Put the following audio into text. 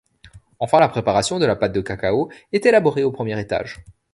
Enfin, la préparation de la pâte de cacao est élaborée au premier étage.